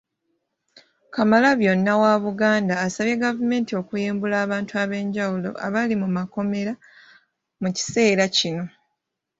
Kamalabyonna wa Buganda asabye gavumenti okuyimbula abantu ab'enjawulo abali mu makomera mu kiseera kino